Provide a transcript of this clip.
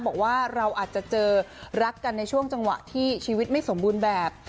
บอกว่าเราอาจจะเจอรักกันในช่วงจังหวะที่ชีวิตไม่สมบูรณ์แบบ